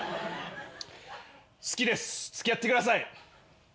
好きです付き合ってください。